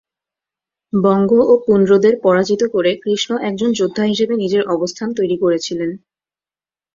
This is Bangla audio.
বঙ্গ ও পুন্ড্রদের পরাজিত করে কৃষ্ণ একজন যোদ্ধা হিসেবে নিজের অবস্থান তৈরি করেছিলেন।